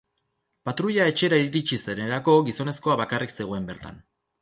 Patruila etxera iritsi zenerako, gizonezkoa bakarrik zegoen bertan.